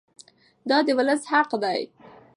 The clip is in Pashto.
دا د ولس حق دی.